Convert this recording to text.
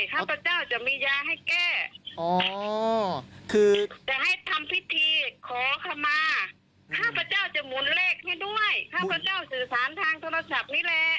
ข้าพเจ้ามุณเลขด้วยสื่อสารทางโทรศัพท์นี้แหละ